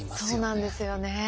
そうなんですよね。